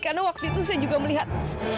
karena waktu itu saya juga melihat